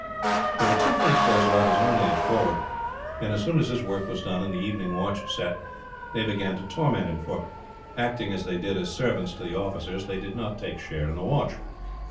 There were two French boys about his own age forward, and as soon as his work was done and the evening watch set they began to torment him; for, acting as they did as servants to the officers, they did not take share in the watch.